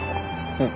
うん。